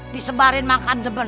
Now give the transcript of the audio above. disebarin makan demen